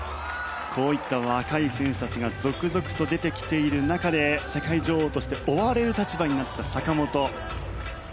こういった若い選手たちが続々と出てきている中で世界女王として追われる立場になった坂本。